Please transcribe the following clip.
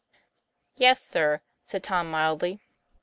"Yes, sir," said Tom mildly.